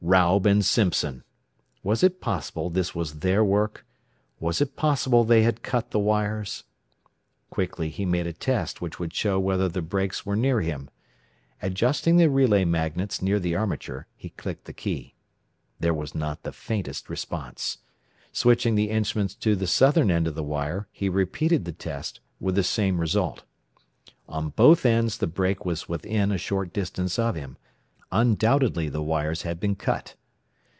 Raub and Simpson! Was it possible this was their work? Was it possible they had cut the wires? Quickly he made a test which would show whether the breaks were near him. Adjusting the relay magnets near the armature, he clicked the key. There was not the faintest response. Switching the instruments to the southern end of the wire, he repeated the test, with the same result. On both ends the break was within a short distance of him. Undoubtedly the wires had been cut!